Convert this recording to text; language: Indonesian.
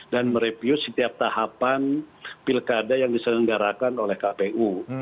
dan mereview setiap tahapan pilkada yang diselenggarakan oleh kpu